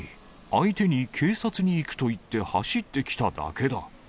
相手に警察に行くと言って走ってきただけだ。